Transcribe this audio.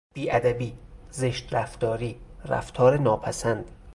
بیادبی، زشت رفتاری، رفتار ناپسند